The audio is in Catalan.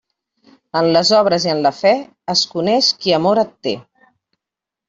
En les obres i en la fe, es coneix qui amor et té.